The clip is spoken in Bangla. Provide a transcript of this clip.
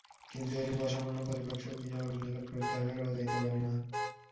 কিন্তু এরূপ অসামান্য পরিপাকশক্তি সকলের নিকট প্রত্যাশা করা যাইতে পারে না।